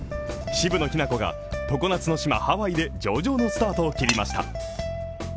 渋野日向子が常夏の島、ハワイで上々のスタートをきりました。